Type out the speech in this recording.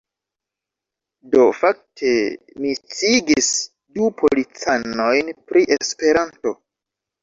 Do, fakte, mi sciigis du policanojn pri Esperanto